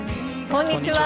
こんにちは。